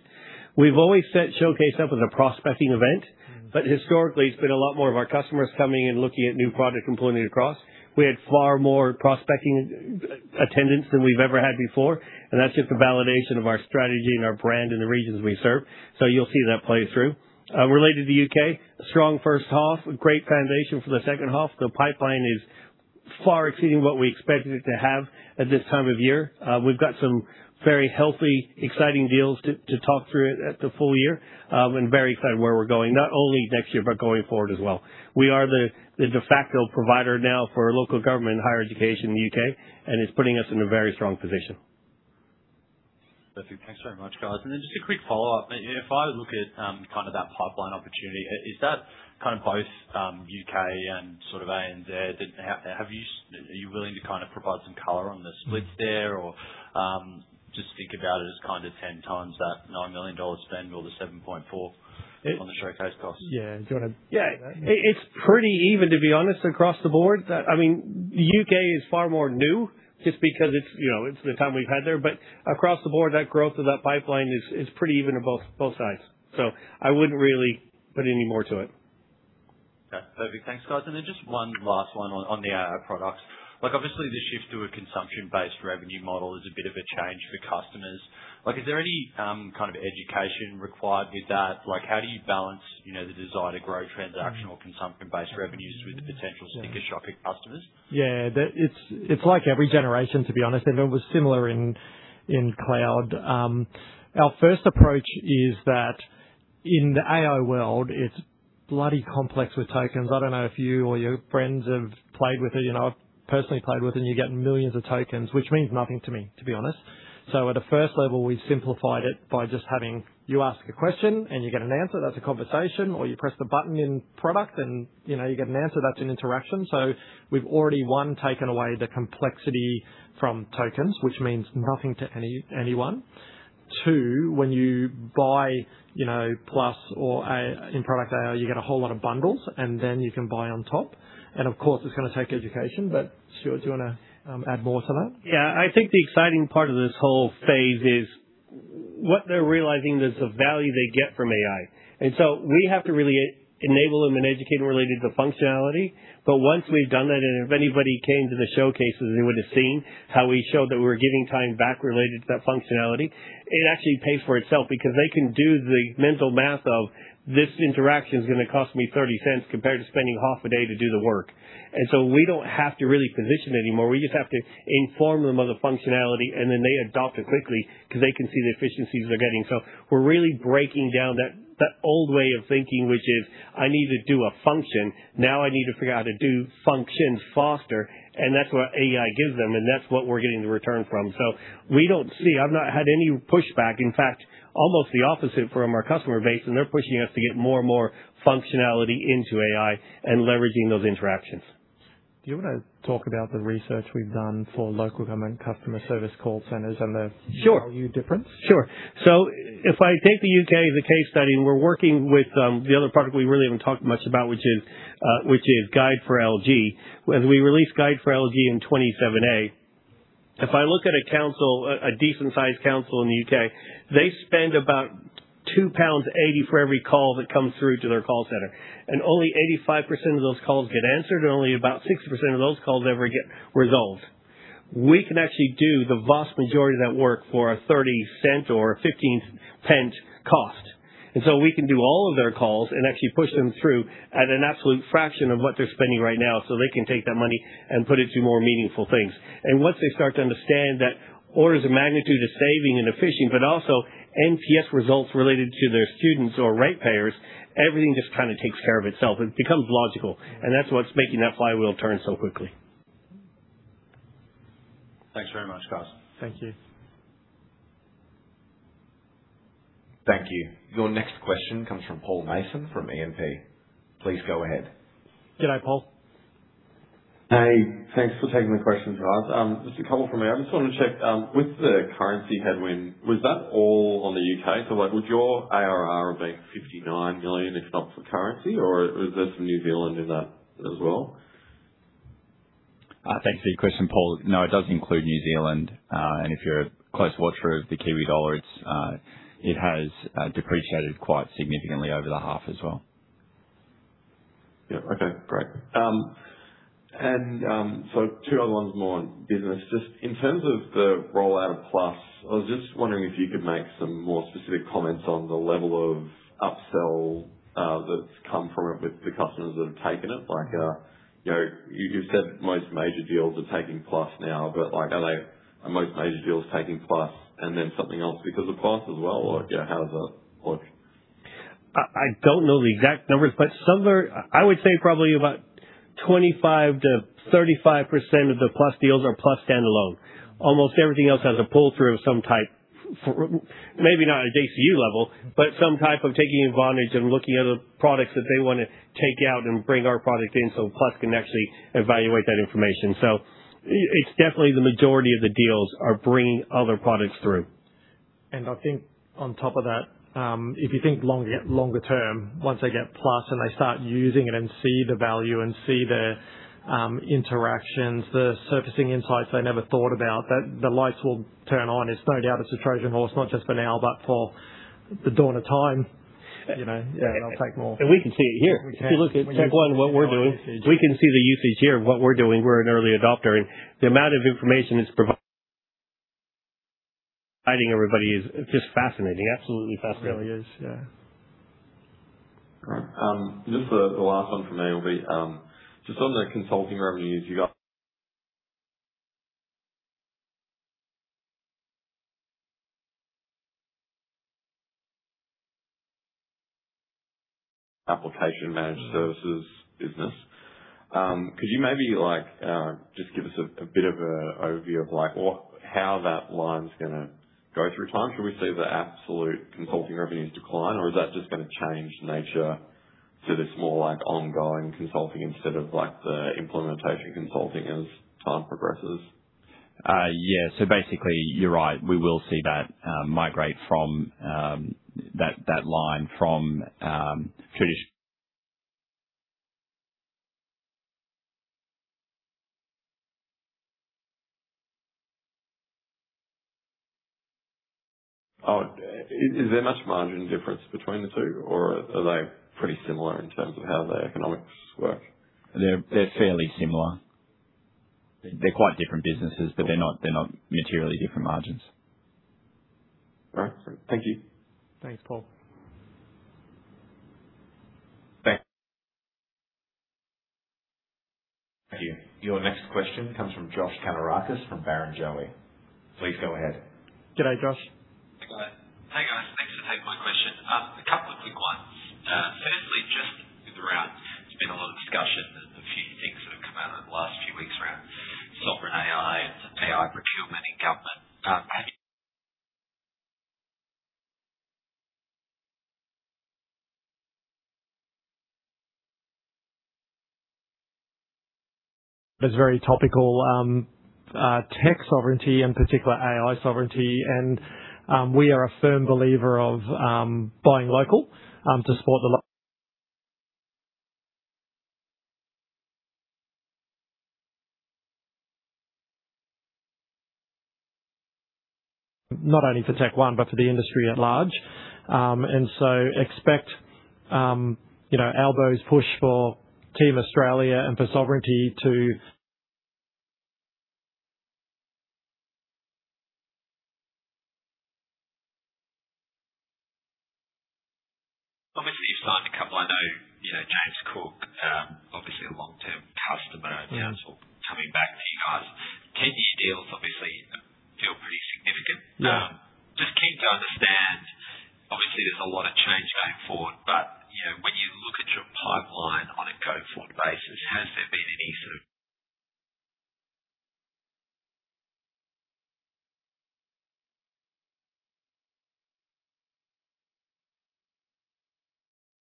We've always set Showcase up as a prospecting event. Historically, it's been a lot more of our customers coming in, looking at new product and pulling it across. We had far more prospecting attendance than we've ever had before, and that's just a validation of our strategy and our brand in the regions we serve. You'll see that play through. Related to U.K., strong first half, great foundation for the second half. The pipeline is far exceeding what we expected it to have at this time of year. We've got some very healthy, exciting deals to talk through at the full year, and very excited where we're going, not only next year, but going forward as well. We are the de facto provider now for local government higher education in the U.K., and it's putting us in a very strong position. Perfect. Thanks very much, guys. Just a quick follow-up. If I look at, kind of that pipeline opportunity, is that kind of both, U.K. and sort of ANZ? Are you willing to, kind of, provide some color on the splits there or, just think about it as kind of 10 times that 9 million dollars spend or the 7.4 on the Showcase costs? Yeah. Do you wanna take that? Yeah. It's pretty even, to be honest, across the board. I mean, U.K. is far more new just because it's, you know, it's the time we've had there. Across the board, that growth of that pipeline is pretty even on both sides. I wouldn't really put any more to it. Perfect. Thanks, guys. Just one last one on the AI products. Like, obviously, the shift to a consumption-based revenue model is a bit of a change for customers. Like, is there any kind of education required with that? Like, how do you balance, you know, the desire to grow transactional consumption-based revenues with the potential sticker shock of customers? It's like every generation, to be honest. It was similar in Cloud. Our first approach is that in the AI world, it's bloody complex with tokens. I don't know if you or your friends have played with it. You know, I've personally played with it, you get millions of tokens, which means nothing to me, to be honest. At a first level, we've simplified it by just having you ask a question and you get an answer. That's a conversation. You press the button in product, you know, you get an answer. That's an interaction. We've already, one, taken away the complexity from tokens, which means nothing to anyone. Two, when you buy, you know, Plus or in-product AI, you get a whole lot of bundles, then you can buy on top. Of course, it's gonna take education. Stuart, do you wanna add more to that? Yeah. I think the exciting part of this whole phase is. What they're realizing is the value they get from AI. We have to really e-enable them and educate them related to functionality. Once we've done that, and if anybody came to the Showcase, they would have seen how we showed that we were giving time back related to that functionality. It actually pays for itself because they can do the mental math of this interaction is gonna cost me 0.30 compared to spending half a day to do the work. We don't have to really position anymore. We just have to inform them of the functionality, and then they adopt it quickly because they can see the efficiencies they're getting. We're really breaking down that old way of thinking, which is, I need to do a function. I need to figure out how to do functions faster, and that's what AI gives them, and that's what we're getting the return from. We don't see. I've not had any pushback. In fact, almost the opposite from our customer base. They're pushing us to get more and more functionality into AI and leveraging those interactions. Do you wanna talk about the research we've done for local government customer service call centers? Sure. And value difference? Sure. If I take the U.K. as a case study, and we're working with the other product we really haven't talked much about, which is Guide for LG. When we released Guide for LG in 2027A. If I look at a council, a decent sized council in the U.K., they spend about 2.80 pounds for every call that comes through to their call center. Only 85% of those calls get answered, and only about 60% of those calls ever get resolved. We can actually do the vast majority of that work for a 0.30 or 0.15 cost. We can do all of their calls and actually push them through at an absolute fraction of what they're spending right now, so they can take that money and put it to more meaningful things. Once they start to understand that orders of magnitude of saving and efficient, but also NPS results related to their students or ratepayers, everything just kinda takes care of itself. It becomes logical, and that's what's making that flywheel turn so quickly. Thanks very much, guys. Thank you. Thank you. Your next question comes from Paul Mason from E&P. Please go ahead. G'day, Paul. Hey, thanks for taking the questions, guys. Just a couple from me. I just wanted to check, with the currency headwind, was that all on the U.K.? Would your ARR have been 59 million if not for currency, or was there some New Zealand in that as well? Thanks for your question, Paul. No, it does include New Zealand. If you're a close watcher of the Kiwi dollar, it's, it has, depreciated quite significantly over the half as well. Yeah. Okay, great. Two other ones more on business. Just in terms of the rollout of Plus, I was just wondering if you could make some more specific comments on the level of upsell that's come from it with the customers that have taken it. You know, you've said most major deals are taking Plus now, but, like, are most major deals taking Plus and then something else because of Plus as well? Or, you know, how does that look? I don't know the exact numbers, but some are, I would say probably about 25%-35% of the Plus deals are Plus standalone. Almost everything else has a pull through of some type. For, maybe not at a JCU level, but some type of taking advantage and looking at other products that they wanna take out and bring our product in, so Plus can actually evaluate that information. It's definitely the majority of the deals are bringing other products through. I think on top of that, if you think longer term, once they get Plus and they start using it and see the value and see the interactions, the surfacing insights they never thought about, that the lights will turn on. It's no doubt it's a Trojan horse, not just for now, but for the dawn of time, you know? Yeah. They'll take more. We can see it here. We can. If you look at CiA and what we're doing. Our usage. We can see the usage here of what we're doing. We're an early adopter, and the amount of information it's providing everybody is just fascinating. Absolutely fascinating. It really is. Yeah. Great. Just the last one for me will be, just on the consulting revenues you got application managed services business. Could you maybe like, just give us a bit of a overview of like what, how that line's gonna go through time? Should we see the absolute consulting revenues decline, or is that just gonna change nature to this more like ongoing consulting instead of like the implementation consulting as time progresses? Yeah. Basically, you're right. We will see that migrate from that line from. Oh, is there much margin difference between the two, or are they pretty similar in terms of how their economics work? They're fairly similar. They're quite different businesses, but they're not materially different margins. All right. Thank you. Thanks, Paul. Thank you. Your next question comes from Josh Kannourakis from Barrenjoey. Please go ahead. G'day, Josh. Hi. Hi, guys. Thanks for taking my question. A couple of quick ones. Firstly, just with the route, there's been a lot of discussion and a few things that have come out over the last few weeks around sovereign AI and AI procurement in government. It was very topical, tech sovereignty, in particular AI sovereignty. We are a firm believer of buying local to support. Not only for TechOne, but for the industry at large. Expect, you know, Albo's push for Team Australia and for sovereignty. Obviously, you've signed a couple. I know, you know, James Cook, obviously a long-term customer of yours or coming back to you guys. 10-year deals obviously feel pretty significant. Yeah. Just keen to understand, obviously, there's a lot of change going forward, but, you know, when you look at your pipeline on a go-forward basis.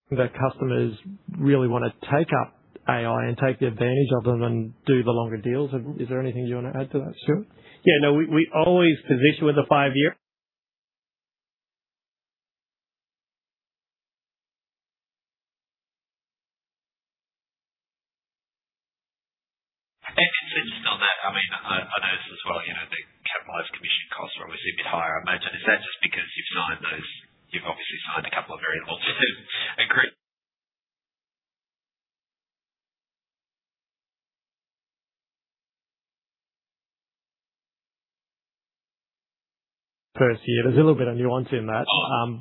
Customers really wanna take up AI and take the advantage of them and do the longer deals. Is there anything you want to add to that, Stuart? Yeah, no, we always position with a five-year. Consistent on that, I mean, I notice as well, you know, the capitalized commission costs are obviously a bit higher. I imagine is that just because you've signed those? You've obviously signed a couple of very large deals. Per year. There's a little bit of nuance in that. Oh,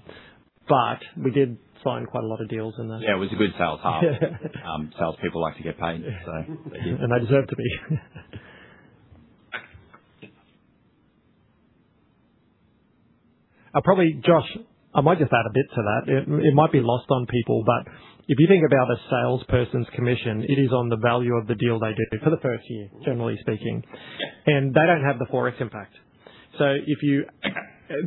okay. We did sign quite a lot of deals. Yeah, it was a good sales half. Yeah. Salespeople like to get paid. They deserve to be. I'll probably, Josh, I might just add a bit to that. It might be lost on people, if you think about a salesperson's commission, it is on the value of the deal they do for the first year, generally speaking. Yeah. They don't have the Forex impact. If you. Yeah.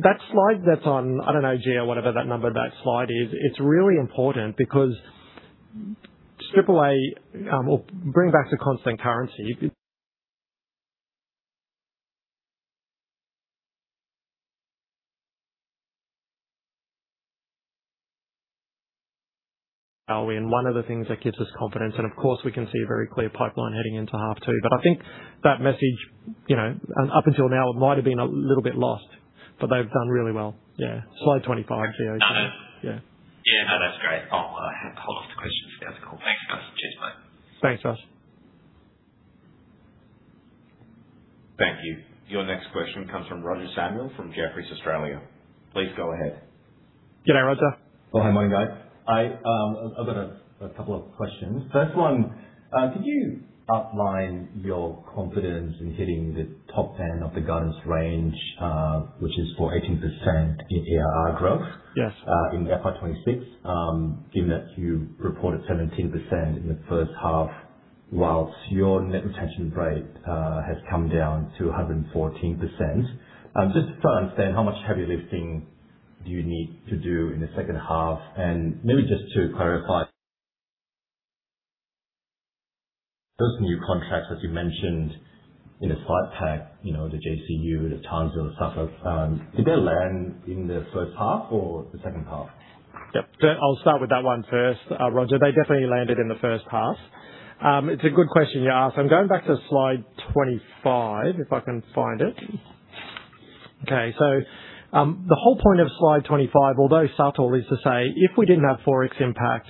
That slide that's on, I don't know, Gio, whatever that number of that slide is, it's really important because AAA, or bring back the constant currency. Are we, one of the things that gives us confidence, of course, we can see a very clear pipeline heading into half two. I think that message, you know, up until now, it might have been a little bit lost, but they've done really well. Yeah. Slide 25, Gio. Got it. Yeah. Yeah, no, that's great. I'll hold off the questions for now. That's cool. Thanks, guys. Cheers, bye. Thanks, Josh. Thank you. Your next question comes from Roger Samuel from Jefferies Australia. Please go ahead. G'day, Roger. Oh, hi, morning, guys. I've got a couple of questions. First one, could you outline your confidence in hitting the top 10 of the guidance range, which is for 18% in ARR growth. Yes. In FY 2026, given that you reported 17% in the first half, whilst your net retention rate has come down to 114%. Just to understand how much heavy lifting do you need to do in the second half? Maybe just to clarify. Those new contracts, as you mentioned in the slide pack, you know, the JCU, the Townsville stuff, did they land in the first half or the second half? Yep. I'll start with that one first, Roger. They definitely landed in the first half. It's a good question you ask. I'm going back to slide 25, if I can find it. Okay. The whole point of slide 25, although subtle, is to say, if we didn't have Forex impact,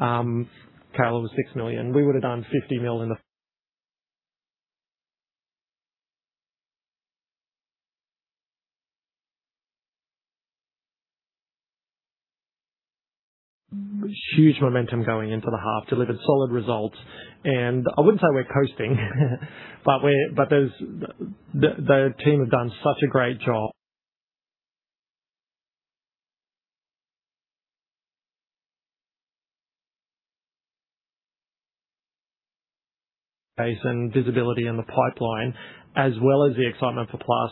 Cale was 6 million, we would've done 50 million. Huge momentum going into the half, delivered solid results. I wouldn't say we're coasting, but there's, the team have done such a great job. Base and visibility in the pipeline, as well as the excitement for Plus.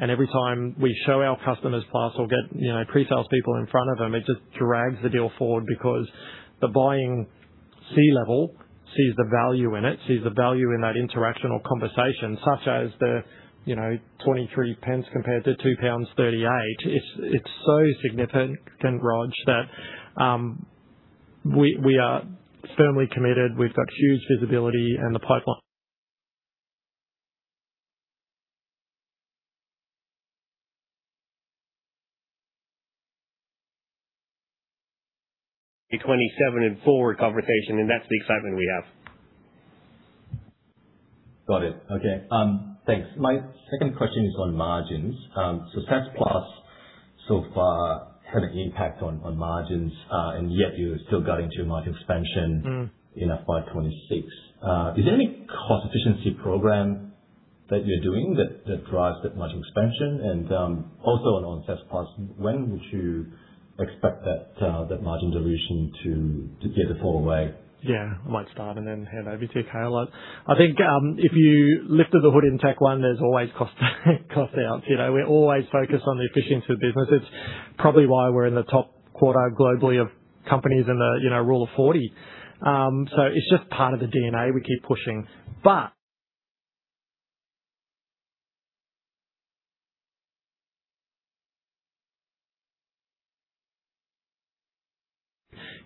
Every time we show our customers Plus or get, you know, pre-sales people in front of them, it just drags the deal forward because the buying C-level sees the value in it, sees the value in that interaction or conversation, such as the, you know, 0.23 compared to 2.38 pounds. It's so significant, Roger, that we are firmly committed. We've got huge visibility in the pipeline. 27 in full recovery conversation, and that's the excitement we have. Got it. Okay. Thanks. My second question is on margins. SaaS+ so far had an impact on margins, and yet you're still guiding to margin expansion. Hmm. In FY 2026. Is there any cost efficiency program that you're doing that drives that margin expansion? Also on Plus, when would you expect that margin dilution to give a fall away? Yeah. I might start and then hand over to you, Cale. I think if you lifted the hood in TechOne, there's always cost outs. You know, we're always focused on the efficiency of the business. It's probably why we're in the top quarter globally of companies in the, you know, Rule of 40. It's just part of the DNA we keep pushing.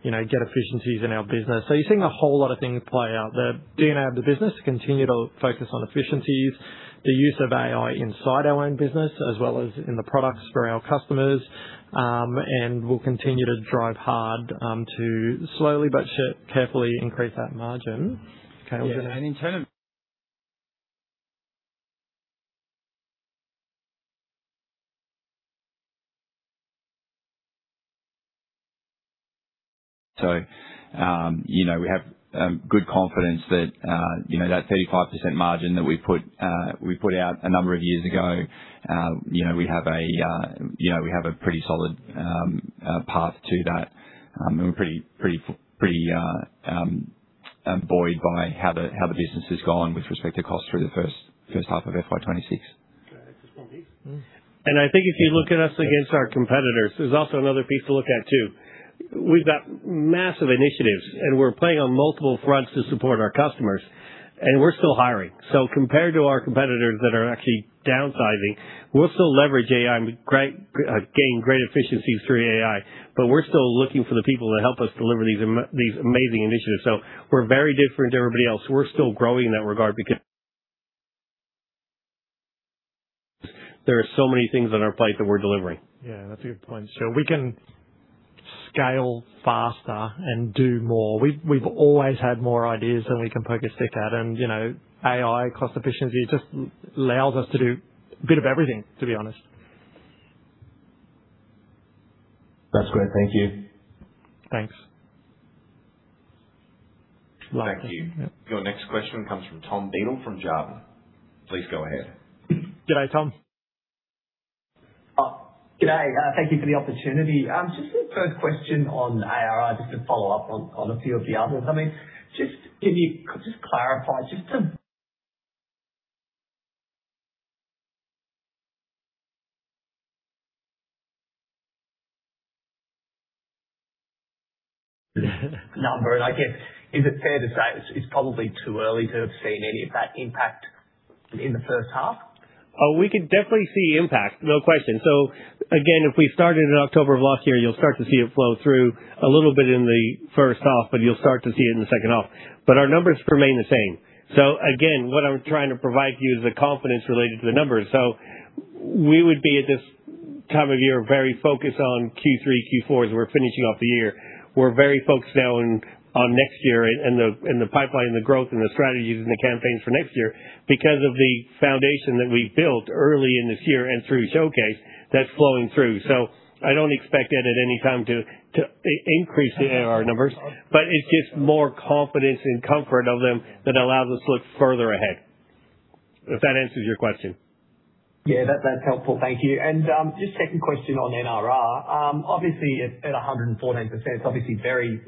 You know, get efficiencies in our business. You're seeing a whole lot of things play out. The DNA of the business to continue to focus on efficiencies, the use of AI inside our own business, as well as in the products for our customers. We'll continue to drive hard to slowly but carefully increase that margin. Okay. Yeah. In terms. You know, we have good confidence that, you know, that 35% margin that we put out a number of years ago, you know, we have a, you know, we have a pretty solid path to that. We're pretty buoyed by how the business has gone with respect to cost through the first half of FY 2026. I think if you look at us against our competitors, there's also another piece to look at too. We've got massive initiatives, and we're playing on multiple fronts to support our customers, and we're still hiring. Compared to our competitors that are actually downsizing, we'll still leverage AI and gain great efficiencies through AI. We're still looking for the people to help us deliver these amazing initiatives. We're very different to everybody else. We're still growing in that regard because there are so many things on our plate that we're delivering. Yeah, that's a good point. We can scale faster and do more. We've always had more ideas than we can poke a stick at. You know, AI cost efficiency just allows us to do a bit of everything, to be honest. That's great. Thank you. Thanks. Thank you. Your next question comes from Tom Beadle from Jarden. Please go ahead. G'day, Tom. G'day. Thank you for the opportunity. Just a quick first question on ARR, just to follow up on a few of the others. I mean, could you just clarify just to. Number, and I guess, is it fair to say it's probably too early to have seen any of that impact in the first half? We can definitely see impact, no question. Again, if we started in October of last year, you'll start to see it flow through a little bit in the first half, but you'll start to see it in the second half. Our numbers remain the same. Again, what I'm trying to provide to you is the confidence related to the numbers. We would be at this time of year very focused on Q3, Q4 as we're finishing off the year. We're very focused now on next year and the pipeline, the growth and the strategies and the campaigns for next year because of the foundation that we've built early in this year and through Showcase that's flowing through. I don't expect that at any time to increase the ARR numbers, but it's just more confidence and comfort of them that allows us to look further ahead. If that answers your question. Yeah, that's helpful. Thank you. Just second question on NRR. Obviously, it's at 114%. It's obviously very.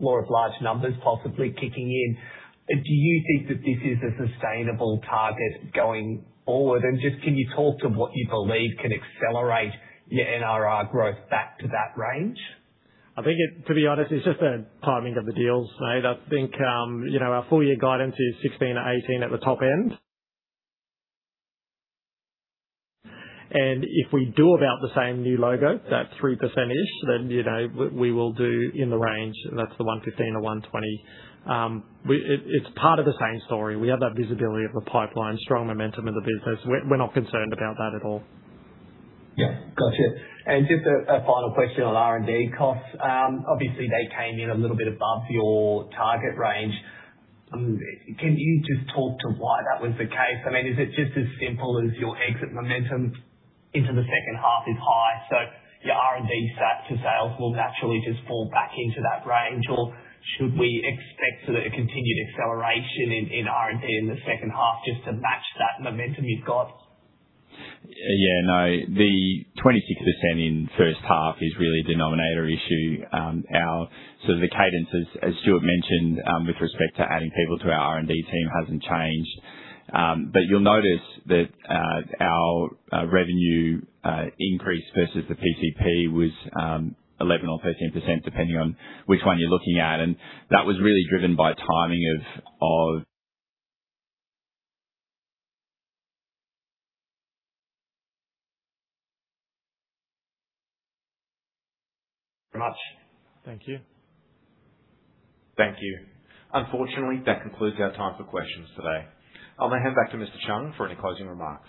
More of large numbers possibly kicking in. Do you think that this is a sustainable target going forward? Just can you talk to what you believe can accelerate your NRR growth back to that range? I think, to be honest, it's just a timing of the deals made. I think, you know, our full year guidance is 16 million-18 million at the top end. If we do about the same new logo, that 3%-ish, then, you know, we will do in the range, and that's the 115 million-120 million. We, it's part of the same story. We have that visibility of the pipeline, strong momentum of the business. We're not concerned about that at all. Yeah. Gotcha. Just a final question on R&D costs. Obviously, they came in a little bit above your target range. Can you just talk to why that was the case? I mean, is it just as simple as your exit momentum into the second half is high, so your R&D stack to sales will naturally just fall back into that range? Or should we expect sort of a continued acceleration in R&D in the second half just to match that momentum you've got? Yeah, no. The 26% in first half is really a denominator issue. Our, sort of the cadence, as Stuart mentioned, with respect to adding people to our R&D team hasn't changed. You'll notice that our revenue increase versus the PCP was 11% or 13%, depending on which one you're looking at. That was really driven by timing of. Very much. Thank you. Thank you. Unfortunately, that concludes our time for questions today. I'll now hand back to Mr. Chung for any closing remarks.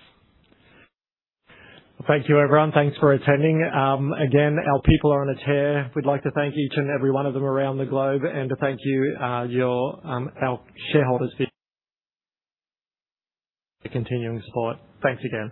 Thank you, everyone. Thanks for attending. Again, our people are on a tear. We'd like to thank each and every one of them around the globe and to thank you, our shareholders for their continuing support. Thanks again.